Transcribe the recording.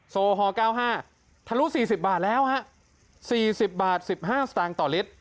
โซฮอล์เก้าห้าทะลุสี่สิบบาทแล้วฮะสี่สิบบาทสิบห้าสตางต่อลิตร